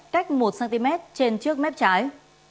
cách một cm trên trước mép trái